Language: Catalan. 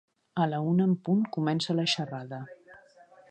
A la una en punt comença la xerrada.